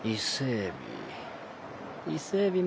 伊勢えび。